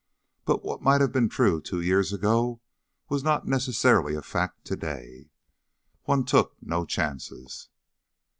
But what might have been true two years ago was not necessarily a fact today. One took no chances.